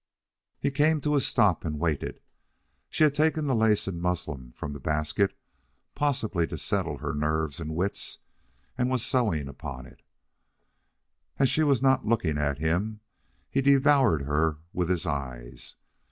He came to a stop and waited. She had taken the lace and muslin from the basket, possibly to settle her nerves and wits, and was sewing upon it. As she was not looking at him, he devoured her with his eyes.